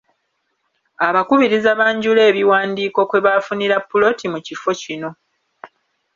Abakubiriza banjule ebiwandiiko kwe baafunira poloti mu kifo kino.